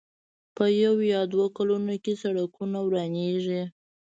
په يو يا دوو کلونو کې سړکونه ورانېږي.